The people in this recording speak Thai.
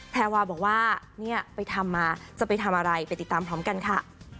แพรวาบอกว่าเนี่ยไปทำมาจะไปทำอะไรไปติดตามพร้อมกันค่ะ